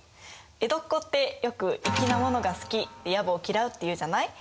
江戸っ子ってよく「粋」なものが好きやぼを嫌うっていうじゃない？